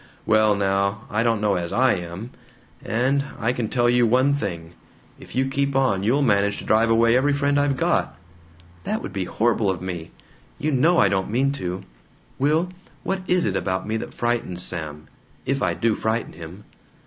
"Well now, I don't know as I am! And I can tell you one thing: if you keep on you'll manage to drive away every friend I've got." "That would be horrible of me. You KNOW I don't mean to Will, what is it about me that frightens Sam if I do frighten him."